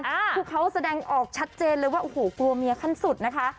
คือเขาแสดงออกชัดเจนเลยว่าโอ้โหกลัวเมียขั้นสุดนะคะ